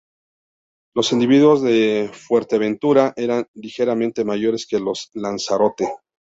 Los individuos de Fuerteventura eran ligeramente mayores que los de Lanzarote.